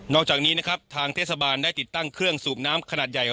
อกจากนี้นะครับทางเทศบาลได้ติดตั้งเครื่องสูบน้ำขนาดใหญ่